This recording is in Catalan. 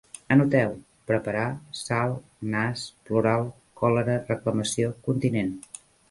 Anoteu: preparar, sal, nas, plural, còlera, reclamació, continent